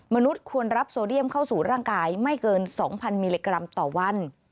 มนุษย์ควรรับโซเดียมเข้าสู่ร่างกายไม่เกิน๒๐๐มิลลิกรัมต่อวัน